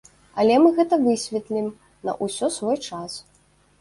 Але мы гэта высветлім, на ўсё свой час.